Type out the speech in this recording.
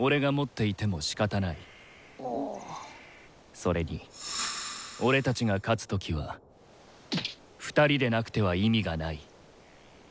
それにオレたちが勝つ時は２人でなくては意味がない。